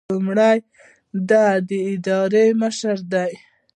لومړی د ادارې مشري ده.